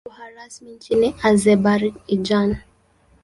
Ni lugha rasmi nchini Azerbaijan.